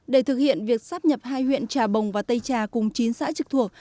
để thực hiện việc sắp nhập hai huyện trà bồng và tây trà cùng chín xã trực thuộc